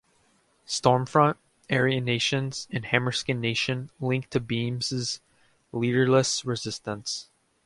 Stormfront, Aryan Nations, and Hammerskin Nation link to Beam's "Leaderless Resistance".